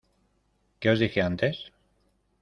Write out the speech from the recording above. ¿ Qué os dije antes?